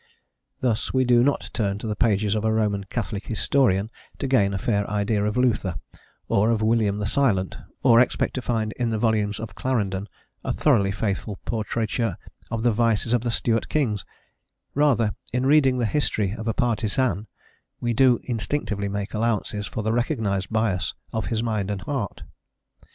Thus we do not turn to the pages of a Roman Catholic historian to gain a fair idea of Luther, or of William the Silent, or expect to find in the volumes of Clarendon a thoroughly faithful portraiture of the vices of the Stuart kings; rather, in reading the history of a partisan, do we instinctively make allowances for the recognised bias of his mind and heart.